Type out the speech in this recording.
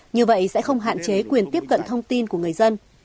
như vậy sẽ không hạn chế quyền tiếp cận thông tin của người dân